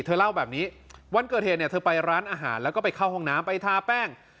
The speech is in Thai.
เธอเล่าแบบนี้วันเกิดเหตุเนี่ยเธอไปร้านอาหารแล้วก็ไปเข้าห้องน้ำไปทาแป้ง